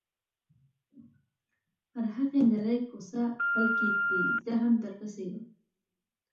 پر هغې نرۍ کوڅه پل کېږدۍ، زه هم درپسې یم.